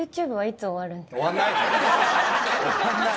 終わらない。